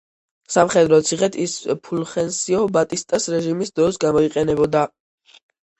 სამხედრო ციხედ ის ფულხენსიო ბატისტას რეჟიმის დროს გამოიყენებოდა.